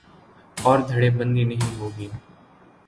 اور دھڑے بندی نہیں ہو گی۔